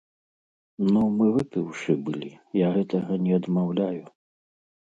Ну, мы выпіўшы былі, я гэтага не адмаўляю.